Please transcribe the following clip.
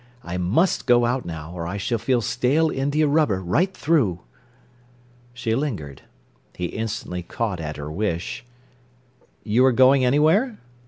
I must go out now, or I shall feel stale india rubber right through." She lingered. He instantly caught at her wish. "You are going anywhere?"